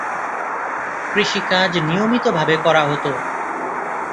কৃষিকাজ নিয়মিতভাবে করা হত।